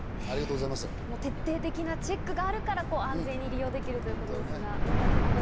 徹底的なチェックがあるから安全に利用できるということですが宮崎さんは？